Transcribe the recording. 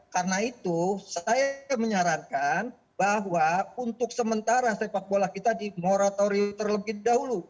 karena itu saya menyarankan bahwa untuk sementara sepak bola kita dimoratorium terlebih dahulu